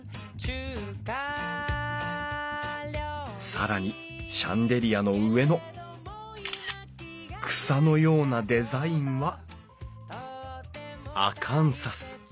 更にシャンデリアの上の草のようなデザインはアカンサス。